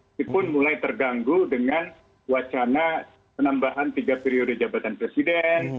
meskipun mulai terganggu dengan wacana penambahan tiga periode jabatan presiden